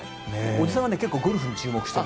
おじさんは結構ゴルフに注目してて。